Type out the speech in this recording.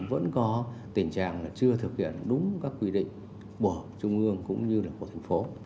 vẫn có tình trạng là chưa thực hiện đúng các quy định của trung ương cũng như là của thành phố